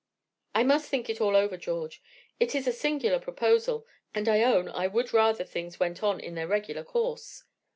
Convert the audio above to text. "I must think it all over, George. It is a singular proposal, and I own I would rather things went on in their regular course."